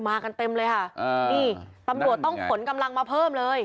กันเต็มเลยค่ะอ่านี่ตำรวจต้องขนกำลังมาเพิ่มเลย